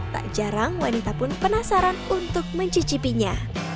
tak jarang wanita pun penasaran untuk mencicipinya